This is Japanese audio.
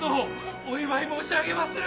お祝い申し上げまする！